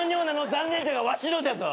残念じゃがわしのじゃぞ。